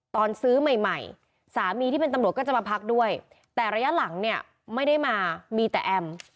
ตอนซื้อใหม่ใหม่สามีที่เป็นตำรวจก็จะมาพักด้วยแต่ระยะหลังเนี่ยไม่ได้มามีแต่แอม